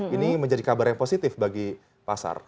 ini menjadi kabar yang positif bagi pasar